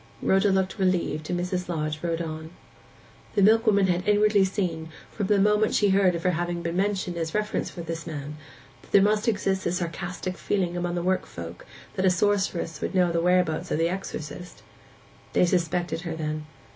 Rhoda looked relieved, and Mrs. Lodge rode on. The milkwoman had inwardly seen, from the moment she heard of her having been mentioned as a reference for this man, that there must exist a sarcastic feeling among the work folk that a sorceress would know the whereabouts of the exorcist. They suspected her, then.